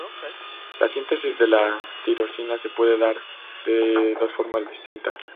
La síntesis de la tirosina se puede dar de dos formas distintas.